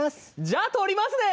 じゃあ撮りますね！